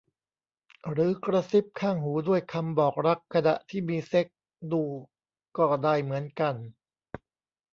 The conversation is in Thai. หรือกระซิบข้างหูด้วยคำบอกรักขณะที่มีเซ็กส์ดูก็ได้เหมือนกัน